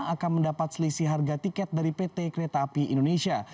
akan mendapat selisih harga tiket dari pt kereta api indonesia